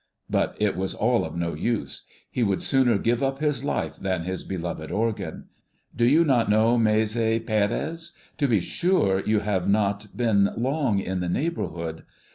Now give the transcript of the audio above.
But it was all of no use. He would sooner give up his life than his beloved organ. Do you not know Maese Pérez? To be sure, you have not been long in the neighborhood.